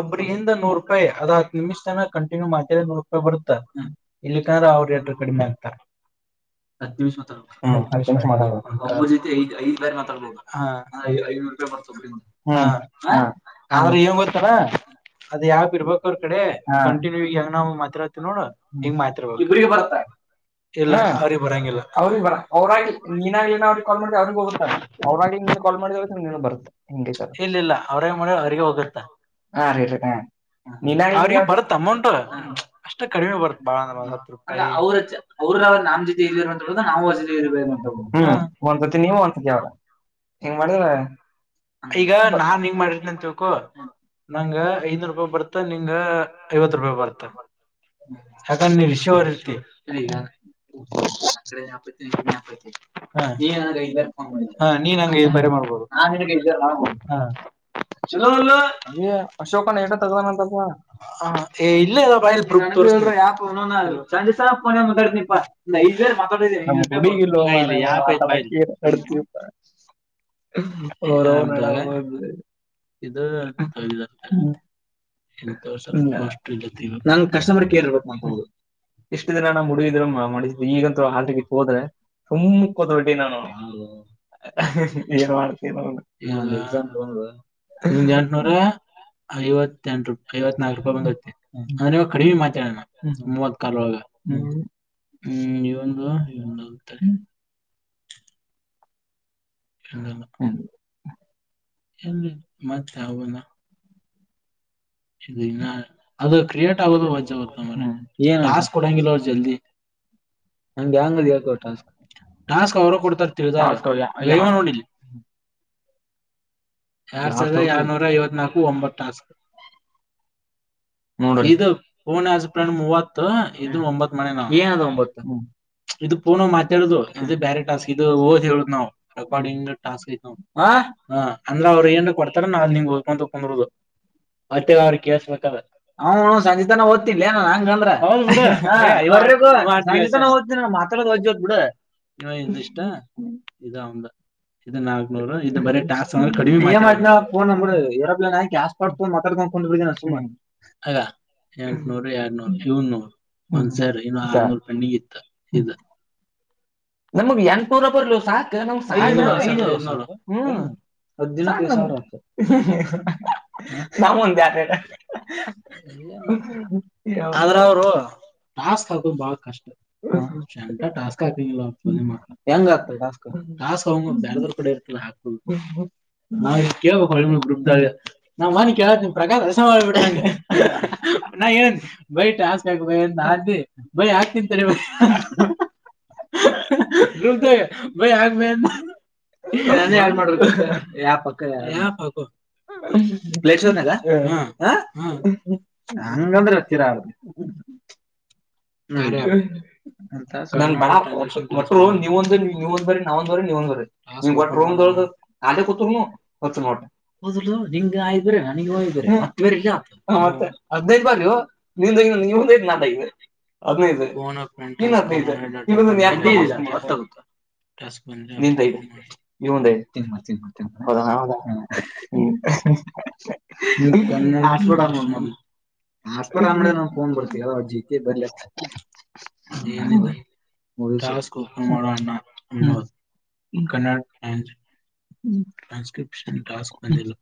ಒಬ್ಬರಿಂದ ನೂರು ರೂಪಾಯಿ ಅದ ಹತ್ತು ನಿಮಿಷ ತನ ಕಂಟಿನ್ಯೂ ಮಾತಾಡಿದ್ರ ನೂರು ರೂಪಾಯಿ ಬರುತ್ತೆ. ಇಲ್ಲಿ ಕಂದ್ರೆ ಅವ್ರ ಏಟ್ರು ಕಡಿಮೆ ಆಗ್ತಾರೆ. ಹತ್ತು ನಿಮಿಷ್ ಮಾತಾಡ್ಬಬೊಕ್ ಒಬ್ರ ಜಾತಿ ಐದ್ ಐದ್ ಬ್ಯಾರಿ ಮಾತಾಡ್ಬೋದು. ಹ ಐನೂರುಪಯ ಬರ್ತವ ಬುಡು ಇನ್ನ ಹ ಆದ್ರ ಏನ್ ಬರ್ತಾಪಾ. ಅದ ಯಾಪ್ ಇರ್ಬಕ್ ಅವ್ರ ಕಡೆ ಕಂಟಿನ್ಯೂ ಯಂಗ ನಾವ್ ಮಾತತಿ ನೋಡ ಹಿಂಗ್ ಮಾತಾಡಬಕು. ಇಲ್ಲ ಅವ್ರಿಗೆ ಬರಂಗಿಲ್ಲ ಅವ್ರಿಗೆ ಬರ ಅವರಾಗ ನೀನಾಗಿ ನೀನ ಅವ್ರಿಗಿ ಕಾಲ್ ಮಾಡಿದಿ ಅವ್ರಿಗೆ ಹೋಗದ್ ಅವ್ರಾಗಿ ನಿನ್ಗ ಕಾಲ್ ಮಾಡಿದಕ್ ನಿನಗ ಬರತ್ತ ಹಿಂಗೆ ಸರ್ ಇಲ್ಲ ಇಲ್ಲ ಅವ್ರಾಗಿ ಮಾಡಿದ್ರ ಅವ್ರಿಗೆ ಹೋಗುತ್ತ. ಹ [unintelligible] ಅವ್ರಗೂ ಬರತ್ ಅಮೌಂಟ್ ಅಷ್ಟೇ ಕಡಿಮೆ ಬರುತ್ ಬಾಳ ಅಂದ್ರೆ ಹತ್ ರುಪಾಯಿ ಅವ್ರಾ ನಾನ್ [unintelligible] [unintelligible] ಹ್ಮ್ ಒಂದ್ ಸತಿ ನೀವು ಒಂದ್ಸತಿ ಅವರ. ಹೆಂಗ್ ಮಾಡ್ದ್ರ ಈಗ ನಾನ್ ನಿಂಗ್ ಮಾಡಿರ್ತನಂತಿಳ್ಕೋ ನಂಗ ಐದನೂರು ರೂಪಾಯಿ ಬರ್ತ ನಿಂಗ ಐವತ್ತು ರೂಪಾಯಿ ಬರ್ತ. ಹಕ ನೀ ರಿಸೀವರ್ ಇರತಿ. [unintelligible] [unintelligible] [unintelligible] ನೀನ್ ಹಂಗ ಈಗ್ಲೆ ಫೋನ್ ಮಾಡಿದ್ದು. ನೀನ್ ಹಂಗ ಬರ ಮಾಡ್ಬೋದು ನಾನ್ ನಿನ್ಗೆ ಇವಗ್ ಮಾಡ್ಬೋದ್ ಚಲೋಲ್ಲ. ಅಯೋ ಅಶೋಕಣ್ಣ ಏಟ ತಗ್ದಾನ ಅಂತಪ್ಪ. [unintelligible] ನಮಗ ಹುಡಿಗಿಲ್ಲೋ ಮಾರಾಯ ಮಾತಾಡಕ ಏನ್ ಕೊಡ್ತಿ ಪ [unintelligible] ಗಲಿ [unintelligible] ನಿನಗ ತೋರ್ಸಲ್ಲ ಮಸ್ತ ಇರತೈತಿ ಇವಾಗ. ನಂಗ್ ಕಸ್ಟಮರ್ ಕೇರ್ ಇರ್ಬೇಕ ಅ ಇಷ್ಟು ದಿನ ನಮ್ಮುಡಿಗಿದ್ರ ಮ ಮಾಡ್ತಿದ್ದೆ ಈಗಂತೂ ಹಾಲ್ಟಿಕೆಟ್ಗಗೆ ಹೋದ್ರೆ [unintelligible] ಹ್ಮ ಹ್ಮ ಹ ಏನ್ ಮಾಡ್ತ ನಿ ಎಂಟನೂರ ಐವತ್ತೆಂಟು ಐವತ್ ನಲ್ಕು ಬಬೇಕು ನಾನಿಲ್ಲ ಕಡಿಮೆ ಮಾತಾಡಿನಿ ಮೂವತ್ತ ಹ್ಮ ಹ್ಮ ಇಲ್ಲಿಲ್ಲ ಹ ಎಲ್ಲಿ ಮತ್ಯಾವ ಬಂದ. ಇ ಇನ್ನ ಅದು ಕ್ರಿಯೇಟ್ ಆಗೋದ ವಜ್ಜೆ ಆಗುತ್ತೋ ಮರಾಯ. ಏನ್ ಟಾಸ್ಕ್ ಕೊಡಂಗಿಲ್ಲ ಅವ್ರು ಜಲ್ದಿ. [inaudible] ಡ್ಯಾಂ ಬಲ್ಲಿ ಇವತ್ತು ಓತ್ನೋ ನಾಕು ಸಾವರ ಕೊಡ್ತರ ತೊ [unintelligible] ಹಾ ನಾಕು ಸಾವಿರ ಎರಡುನೂರ [unintelligible] ಒಂಬತ್ತು ನೋಡು ಇದು ಫೋನ್ ಆಫ್ ಫ್ರೆಂಡ್ ಮೂವತ್ತು. ಇದನ ಒಂಬತ್ತು ಮಾಡ್ಯನ. ಏನ್ ಒಂಬತ್ತು ಇದು ಪೋನು ಮಾತಾಡಿದು ಇದು ಬ್ಯಾರೆ ಟಾಸ್ಕ್ ಇದು [unintelligible] ರೆಕಾರ್ಡಿಂಗ್ ಟಾಸ್ಕ ಇದ್ದಿದ್ದು. ಹ ಹ ಅಂದ್ರೆ ಅವರು ಏನು ಕೊಡ್ತಾರೆ ಮತ್ತೆ ಅವ್ರ ಕೇಳ್ತ ಹ ಸಂಜಿತನ ಹೋಟಿನ್ಲೆ ಹಂಗಾ ಅಂದ್ರ ಹ್ಮ್ ಸಂಜಿತಾನ ಹೊತಿನಿ ಮಾ ಕೂಡದೌದ ಇಿಯಮ ಆಯ ಫೋ ನಂಬ ಏರೋಪ್ಲೇನ್ಸ್ ಮತಕೊಂಡ್ ಬಿು ಹ [unintelligible] ನಮಗ್ ಎಂ ಸೂರ ಬರ್ಲಿ ಹ್ಮ ಅದ್ಿನುಷ ನಮ್ಮಂದ ಯಾಕಕ ್ರ ಆಾಸ್ ಅದು ಬಾಳ ಕಷ್ಟ ಟಾಸ್ಕ್ ಹ ಹೆಂಗ ಆಗ್ತ ನಾವು ಇಸ್ಟ ದುಡಾಗಿ ನಾ್ ಮನೆಿ ಕೇಳಳ್ತೀಿ ಪ್ರಕಾದಷಡ ನಾ ಏನ್ ಬೈ ಹಾಸ್ ಆಗಬೇಕಏನ್ ಹಾಕಿ ಬೈ ಹಾಕ್ತಿಂತರಿವ [unintelligible] ಇಂದೆಂದೆ ಆ್ಯಡ ಮಾಡ್ಬೇಕ ಯಾವ ಪಕ್ಕ ಯ ಪ್ಲೇಟ್ನ್ಾಗ ಹಂಗಂದ್ರೆ ಹರ್ತೀರ [inaudible] ಟ್ಟ ನೀವೊಂದ ನೀವ ಒಂದ್ರ ನಾವಂದ್ರ ನೀವೊಂದ್ರ ೇ ಕೂತ್ರು ಮಾಡ ಹದ ನಿಂಗ ಆಯ್ ಬರ ಬ ಇಲ್ಲ ಮತ್ತ ಹದಿನೈದು್ ಬಾರಿ ನಿ ನಐದು ಹದ್ೈದು ಹದೈದುುತ್ತ [unintelligible] ನಿಂದ್ ಐಡ ಇವಂದ್ ಐದ ಹ್ಮ್ಮ್ [unintelligible] ಹಾಪ ಹಳೆ ನ ೋನ್ ಬರ್ ಜತೆ ಬ ಶ [inaudible] ಕನ್ನಡ ಹ [inaudible] ಟ್ರಾನ್ಸ್ಕ್ರಿಪ್ಷನ್ ಟಾಸ್ಕ್ ಬಂದಿಲ್ಲ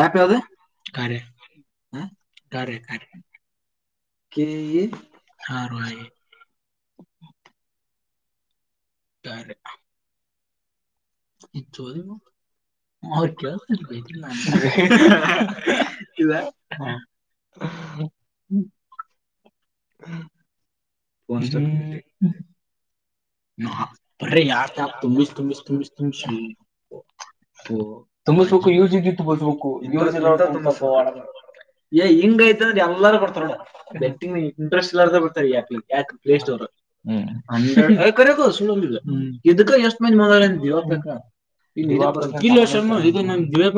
ಯಪ್ ಯಾವ್ದ ಕಾರ ಹಾ ಕಾರ್ಯ ಕೆ ಪೀ ಹ ರಿ ಹ ರಿ ಇದ ಚೋದಿ ಮಕಲ್ ಆವರ ಕೆಳಿರ್ ಬೈದಿಲ್ಲ್ಲ ನಾ [inaudible] ಹ ವಾಟ್ಸ್ ಮೀನಿಂಗ್ [unintelligible] ತ್ ಶಕ ಯುಜು ಬಕ ಯ [inaudible] ಏ ಹಿಂಗೈಐತ ಎಲ್ಲಾರ ಬತಟಿಂಗ ಇಂಟ್ರೆಸ್ಟ್ ಇಲ್ಲ್ದ ಬರ್ತಾರೆ ಯ ಯಾಕ ಪ್ಲೇ ಸ್ಟೋರ್ ಹ್ಮಂ ಹಂಡ್ರೆಡ್ ಆ ಕಡೆಗ ಸುಲ ಇದಕ್ಕ ಎಷ್ಟು ಮೈಂದ ನೋ ದವಾಕ [unintelligible] ಇ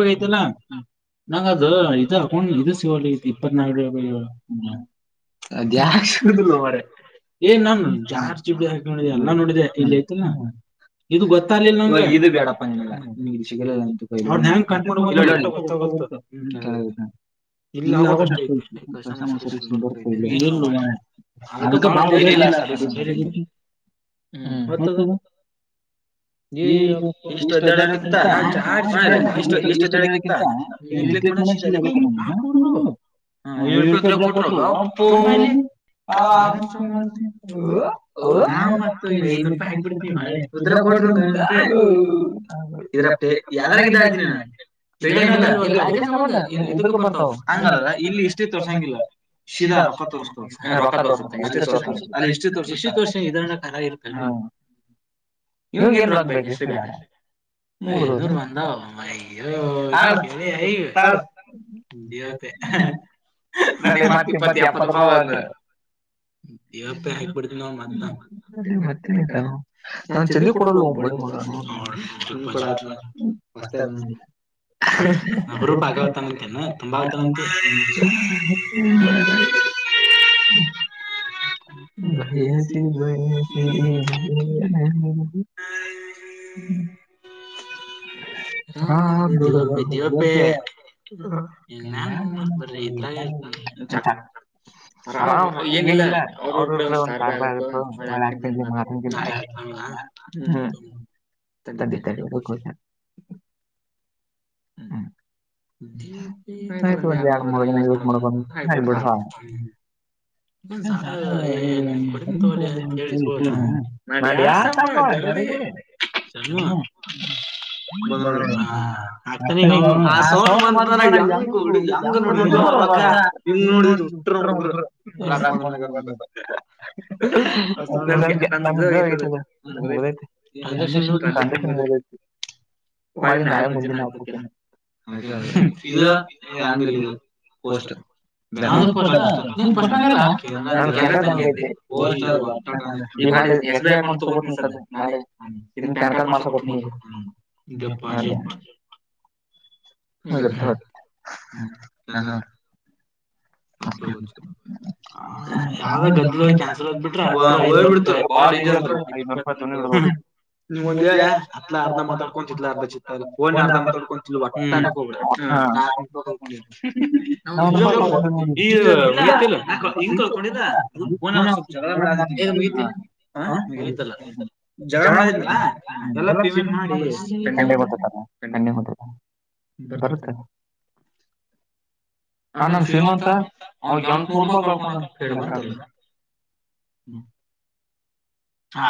ಐತಲ್ಲ ನಂಗ ಅದು ಎಂತಕೊಂಡ್ ಇಪ್ಪ ನ ಅದ್ಯಕ್ ಸಿಗಳು ಮಾರಾಯ ಯೇ ನನ [unintelligible] ನೋಡಿದ ಇದು ಗೊತ್ತಾಗ್ಲಿಲ್ಲ ಬೇಡಪ್ಪ ಹ್ಮ ತೆಳಗ ಬಿತ್ ನೋಡಿ ಇಲ್ಲ ಆಗ ಅಷ್ಟ ಕಸ್ಟೀಮರ್ ಸರ್ವೀಸ್ ಯಿಂದ ಬರ್ [unintelligible] ಅದಕ ಭಾಳ [unintelligible] ಹ್ಮ್ ಮತ್ತದ ಇಷ್ಟೊ್ದಡಕ್ಕಿಂತ ನಾನ್ಷ್ಟ ಇಷ್ಟೊದ್ದಡಕ್ಕಕಿಂತ ಲೆಕ್ ಮಾಡ ಸೀದ ನಾಕ್ ನೋಡ್ರು ಹ ಏಳ ರೂಪಾಯಿರ ಕೊಟ್ರ ಅಪ್ಪೋ ಹ ಹ ಹ [inaudible] [unintelligible] ಇ [unintelligible] ರೂಪಾಯಿ ಹಾಕ್ ಬಿಡ್ತವ ಉದ್ರ ಕೊಟ್ರ ಇದ್ರ ಎಲ್ಲಾರಗ ಇದ್ದಾಡ್ತೀನಿ ನಾನ [unintelligible] ಬ ಇದಕ್ಕ ಬರ್ತಾವ ಹಂಗ ಇಲ್ಲಿ ಹಿಸ್ಟರಿ ತೋರಸಂಗಿಲ್ಲ ಸಿಧಾ ರೊಕ್ಕ ತೋರ್ಸೋದು ರೊಕ್ಕ ತೋಷ್ಟ ಅಲ್ಲಿಷ್ಟುಷ್ಟೋ ಇದ ಹ [unintelligible] ಇವ್ ನ್ [unintelligible] ರಗ್ಬೇಕು ಎಷ್ಟ್ರ ಬೇಡ್ರ ಎರು ಬಂದ ಆಡು [unintelligible] ಜವತೆ ನಾನ ಮತ್ ಇಪ್ಪತ್ ಎಪ್ಪತ್ತು ರೂಪಾಯ ಬಂದು [unintelligible] ದಪ್ಪ ಹಾಕ್ಬಿಡ್ತನ ನ [unintelligible] ಮ ಮೇನತ ನಾ ಚಂದ [unintelligible] ಕೊಡೋಗ ಬಳಿ ಮಗ [unintelligible] ಪಾಗವತಾನಂತೆನಾ ತುಂಬ ಆತಾನಂತೆ ಹ್ಮ [unintelligible] [inaudible] ಬಹಿ ಆಸಿ ಬ [unintelligible] ಹ ಹಿ ಹ್ಮ [unintelligible] [inaudible] ಹ ಒಪ್ಪ ಜವಪ್ಪೇ [unintelligible] [unintelligible] ನ್ ಮ್ಯನ್ ನೋತ್ ಬರ್ರಿ ಇದ್ರಾಗ ಇರ್ತಿರ ಏನಿಲ್ಲ ಅವ್ರ ಇವೆರ್ಕಡೆ ಒಂದ್ ಕಾರ್ಬ ಆಗು ಮಳೆ ಆಗ್ತನ್ ಏನ್ ಹ್ಮ ತ ತಕ [unintelligible] [inaudible] ಹ್ಮ್ [unintelligible] ಆಯ್ತು ಒಂದ ಎರಡು ಮೂರ್ ದಿನ ಯೂಸ್ ಮಾಡಕೊ ಆಗುತ್ತಾ ಆಯ್ತು [unintelligible] [inaudible] ಸಾರ ಏ ಕೊಡಮ ತೋಳ ಅಂತ ಹೇಳಿ ಸೋ ನಡಿ ಯಾಸಮ್ಮ ಜಲ್ದಿ ಸಮ್ಮು ಹು ಹೋದರು ನೋಡಿ ಇವರು ಹ [unintelligible] ತನಿಗ ಅವ ಆ ಸೌಂಡ್ ಬಂತಂದ್ರ ಯಂಗ್ ಕೋಡಿ ಯಂಗ್ ನೋಡಿದ್ರು ಅವಕ್ಕ ಹಂಗ್ ನೋಡಿದ್ ಉರು ಹುಡುಗುರು ರಾಕ್ ಬಂದ್ರೆ ನಿಂಗ ಹೇಳೋದು ನಂದು ಇದು ಆಗೈತಿ [unintelligible] ರಾಜಕ್ಷ ರಾಜಸ್ಥ ಮ [unintelligible] ಕಡಿ ನಯ ಮಜೆ ನತ [unintelligible] ದ ಇದು ಹಂಗಲ್ಲಿ ಪೋಸ್ಟೆ ಯಾದಪ್ಪ ಅದು ಎಸ್ ಅಕೌಂಟ್ ತಗೋ ಮ [unintelligible] [inaudible] ನಾಳೆ ಇನ್ ಟಾಟಾ ಮಾಡ್ತಾಕ ಇದ್ದೀನಿ ಮೌದ ಹೌ ಹ ಹೌ [unintelligible] ಹಪ್ಲೋ ಯಾವ್ದ ಗದ್ದ ಕ್ಯಾನ್ಸಲ್ ಹೋಗ್ಬಿಡ್ತು ನೀಗೊಂದ ಅಲ ಅರ್ಧ ಮಾತಾಡ್ಕೊಂಡಲ ಅರ್ಧ ಅರ್ಧ ಮಾತಾಡ್ಕೊಂಡ ನಗ ಕೊಡ್ಬೇಡ ನಿಜವಾಗಲೂ [unintelligible] ಎ ಆ [unintelligible] ಹ ಜ [unintelligible] ಎ ಪೇಂ ಮಾಡ ಸಂಡೆ ಬರ್ತದಲ್ಲ ಕನ್ನೆ ಹದ ಬರುತ್ತ ಅಣ ಏನು [unintelligible] ಅವನು ಎಂಟು ರೂಪ ಕಳಕೊಂಡ ನು [unintelligible] ಹಾ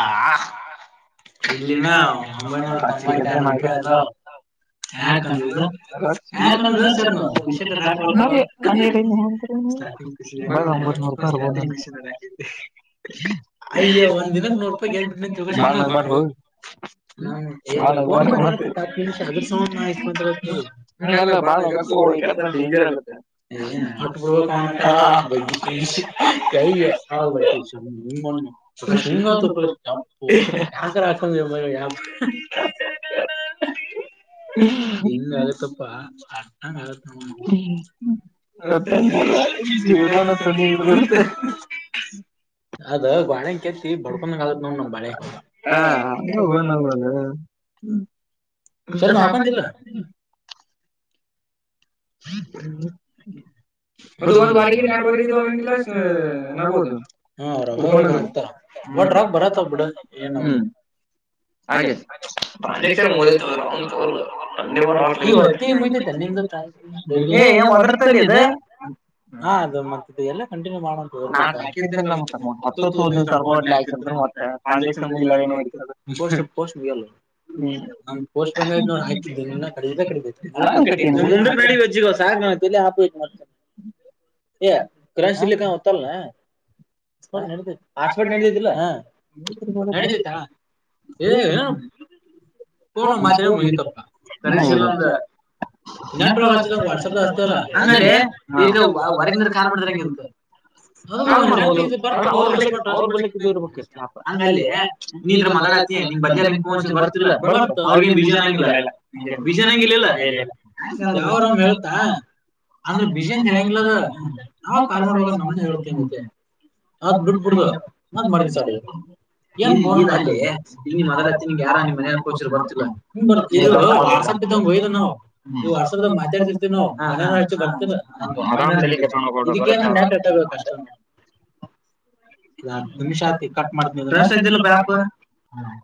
ಇಡ್ಲಿಲ್ಲ ಕೆಸ [unintelligible] ಹ [unintelligible] ಒಂಬತ್ತು ನೂರು ರೂಪಾಯಿ ಇರಬೇಕು ಆಯ್ಯ ಒಂಬತ್ತು ನೂರು [unintelligible] ಬಾಳನಾಗ್ಬಾಡ್ರೋ ನಾ ನಿಮಿ ಅದಾ ಇವಿ [unintelligible] ಬಹಳ ನಗಕ್ಕೆ ಹೋಗಬೇಡ ಅದು ಬಹಳ ಡೇಂಜರ್ ಏನಾಗಲ್ಲ ಬಿಡು ಕ ಹ ನೀ ಸಿಂಗ ತರಪ್ಪು ಯಾಕರ ಆಕ ಯ ಇಂಗ ಅದತಪ್ಪ ಅಾಲಕಣ ರ ನೀತ್ತೆ ಅದ ಗಣ ಕೆತ್ತಿ ಬಡ್ಕೊಕ್ ಆಗತ್ ನೋ ನಮ್ ಬಳೆ ಹ ಹೋಗ ಸರ್ ನ ಹಕೊಂಡಿಲ್ಲ ಹ್ಮ ಅದು ಒಂದ್ ವಾರಗ ಎರಡ್ ವರ್ಗಿ ನಗುದು ಮಟ್ರಾಗ ಬರ ಕುಂತವ ಬೇಡ ಏನು ಅಧ್ಯಕ್ಷರ ಮತ್ತ್ ಆ ಇದು ಏನು ಉದುರ್ತದಲ್ಲಿ ಇದು ಕಂಟಿನ್ಯೂ ಮಾಡನ್ ತಗೋರಿ ಮತ್ತೆ ಟ್ರಾನ್ಸಾಕ್ಷನ್ ಏ ಇರ್ತದೆ ಪೋಸ್ ಪೋಸ್ಟ್ ನ್ ಪೋಸ್ಟ್ ನೋ ಹಾಿದ್ದ ಕಡ ಕಡ ಕ ಮುಂದ ನಡಿ ಮುಂದುಕ್ ನಡಿ ಅಜ್ಜನಂತೆಲಿ ಆಫ್ ಆಗಿದೆ ಕರೆನ್ಸಿ ಇಲ್ಲಂದ್ರೆ ಹತ್ತಲ್ಲ ಹ ನಡದ ಆಕ್ಸ್ಫೋರ್ಡ್ ನಡೆದಿದ್ದಿಲ್ಲ ನಡಿತದೆ ಅಣ್ಣ ಏ್ ಪಣ ಫೋನ್ ಯಾಕ್ ಮಾತಾಡಿದ್ರೆ ಮುಗಿತಪ್ಪ ಕರೆನ್ಸಿ ಇಲ್ಲ ನಂದು ನಂಟ ಹಚ್ಚದ ವಾಟ್ಸಪ್ ಹಸ್ತಲ್ಲ ಹಂಗಲ್ಲಲೇ ಈ ಹೊರಗನಾರ ಕಾಲ್ ಮಾಡ್ರಂಗಗೆ ಹಂಗ ಅಲ್ಲಿ ನೀ ಇದ್ರೆ ಮಾತಾಡಾತ್ತ ಬದಿಯ ಫೋನ್ ಬರ್ ಎಲ್ಲಾ ಕೊಡಬಾರದಿತ್ತು ಅವರಿಗಿ ಏನ ಬಿಜಿ ಹಣಗಿಲ್ಲ ಇಲ್ಲ ಬಿಜಿ ಅಣಗಿಲ್ಲ ಇಲ್ಲ ಇಲ್ಲ ಇಲ್ಲ ಯಾವರ ಒಮ್ಮೆ ಹೇಳುತ್ತಾಆ ಅಂದ್ರೆ ಬಿಜಿ ಅಂತ ಹೇಳಂಗಿಲ್ಲ ಅದು [unintelligible] ನಾವಾಗ ಕಾರ್ ಮಾಡುವಾಗ ನಮನ ಹೇಳ್ತಂಗತೆ ಆತ ಬಿಟ್ಟ ಬಿಡುವುದ ಮತ್ ಮರದಿವ್ಸ ಆತ ಇದ ಏನ ಪೋನ್ ಇದ ಅಲ್ಲ ಲೆ ನೀನೀ ಮದಲ ಹಚಿನಿ ನೀಗ ಯಾರ ನಿಮ್ ಮನಗ ಕೋಚರ್ ಗೋರ್ತಿಲ್ಲ ಮುಂಬರ್ ಇಲೊ ವಾಟ್ಸಾಪ ಇದ್ದಾಂಗ್ ವೆದು ನಾವು ವಾಟ್ಸಪ ಡಾಗ್ ಮಾತಾಡ್ತಿರ್ತವಿ ನಾವು ಮನ್ಯಾನರ್ ಹಚ್ಚ ಬರ್ತಿಲ್ಲ ಹಗ್ ಆರ್ ಇದಕ್ಕೇನ ನೆಟ್ ಹಟ್ಟಬೇಕು ಅಷ್ಟ ಹ ವಿ ಬ [unintelligible]